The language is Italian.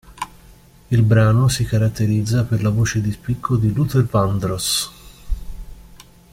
Il brano si caratterizza per la voce di spicco di Luther Vandross.